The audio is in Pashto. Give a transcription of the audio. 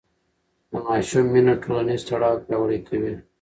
د ماشوم مینه ټولنیز تړاو پیاوړی کوي.